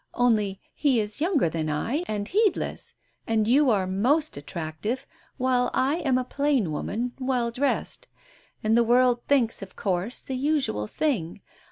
Only — he is younger than I, and heedless, and you are most attractive, while I am a piain woman, well dressed. And the world thinks, of course, the usual thing